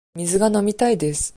水が飲みたいです。